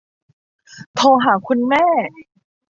โทรหาคุณแม่